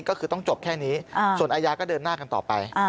ก็คือต้องจบแค่นี้ส่วนอาญาก็เดินหน้ากันต่อไป